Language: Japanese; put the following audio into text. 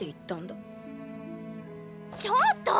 ちょっと！